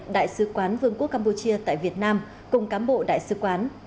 đại sứ quán vương quốc campuchia tại việt nam cùng cám bộ đại sứ quán